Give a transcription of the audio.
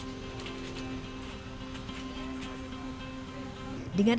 kami berhasil untuk menjalani pemeriksaan